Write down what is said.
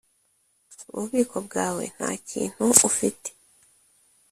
bubiko bwawe nta kintu ufite.